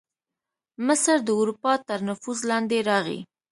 مصر د اروپا تر نفوذ لاندې راغی.